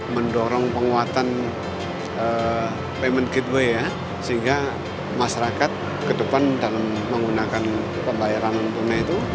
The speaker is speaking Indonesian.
mendorong penguatan payment gateway ya sehingga masyarakat ke depan dalam menggunakan pembayaran non tunai itu